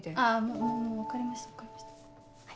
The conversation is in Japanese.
もう分かりましたはい。